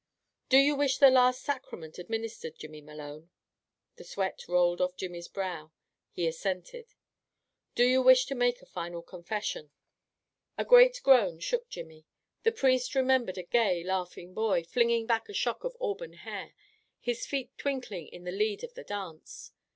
Do you wish the last sacrament administered, Jimmy Malone?" The sweat rolled off Jimmy's brow. He assented. "Do you wish to make final confession?" A great groan shook Jimmy. The priest remembered a gay, laughing boy, flinging back a shock of auburn hair, his feet twinkling in the lead of the dance.